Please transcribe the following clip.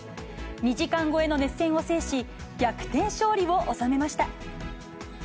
２時間超えの熱戦を制し、逆転勝利を収めました。